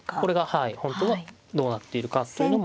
はい本当はどうなっているかというのも。